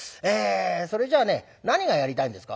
それじゃね何がやりたいんですか？」。